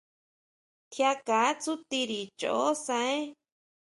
Tjiánka tsutiri choʼo sʼaen.